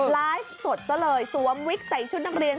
ไลฟ์สดซะเลยสวมวิกใส่ชุดนักเรียน